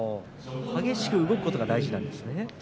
激しく動くことが大事なんですね。